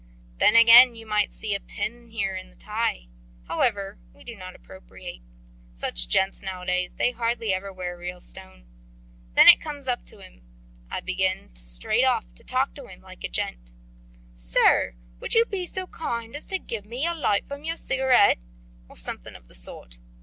"Then again you might see a pin here in the tie. However we do not appropriate. Such gents nowadays they hardly ever wear a real stone. Then I comes up to him. I begin straight off to talk to him like a gent: 'Sir, would you be so kind as to give me a light from your cigarette' or something of the sort.